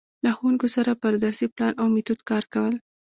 له ښـوونکو سره پر درسي پـلان او میتود کـار کول.